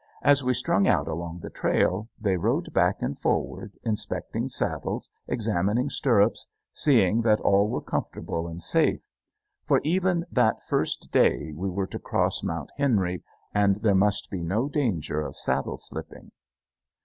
As we strung out along the trail, they rode back and forward, inspecting saddles, examining stirrups, seeing that all were comfortable and safe. For even that first day we were to cross Mount Henry, and there must be no danger of saddle slipping.